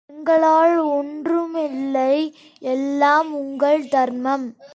எங்களால் ஒன்றும் இல்லை எல்லாம் உங்கள் தர்மம்.